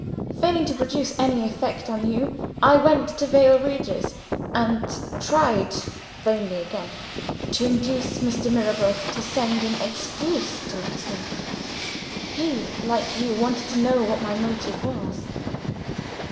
Failing to produce any effect on you, I went to Vale Regis, and tried (vainly again) to induce Mr. Mirabel to send an excuse to Monksmoor. He, like you, wanted to know what my motive was.